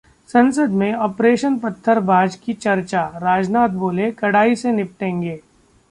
संसद में 'ऑपरेशन पत्थरबाज' की चर्चा, राजनाथ बोले- कड़ाई से निपटेंगे